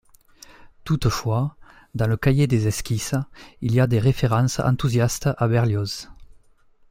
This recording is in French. Toutefois, dans le cahier des esquisses, il y a des références enthousiastes à Berlioz.